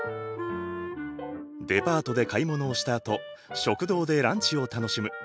デパートで買い物をしたあと食堂でランチを楽しむ。